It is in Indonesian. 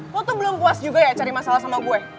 foto belum puas juga ya cari masalah sama gue